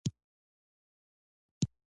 عرضه کوونکى په لویه پیمانه تولید کوي.